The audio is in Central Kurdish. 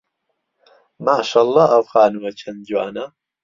ماشەڵڵا ئەو خانووە چەند جوانە.